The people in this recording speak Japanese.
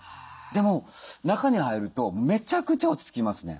でも中に入るとめちゃくちゃ落ち着きますね。